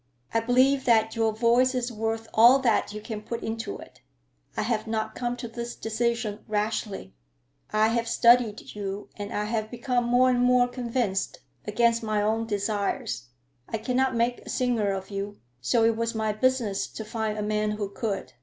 "I believe that your voice is worth all that you can put into it. I have not come to this decision rashly. I have studied you, and I have become more and more convinced, against my own desires. I cannot make a singer of you, so it was my business to find a man who could.